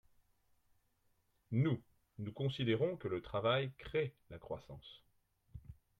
Nous, nous considérons que le travail crée la croissance.